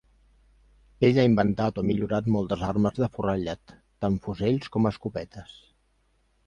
Ell ha inventat o millorat moltes armes de forrellat, tant fusells com escopetes.